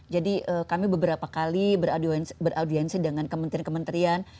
jadi kami beberapa kali beraudiensi dengan kementerian kementerian